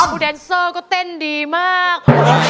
บูแดนเซอร์ก็เต้นดีมาก